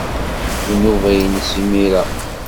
D nnuba-nnes imir-a.